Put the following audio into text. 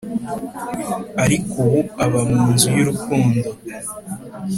ariko ubu aba mu nzu y'urukundo,